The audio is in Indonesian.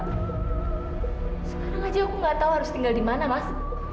sekarang aja aku nggak tahu harus tinggal di mana mas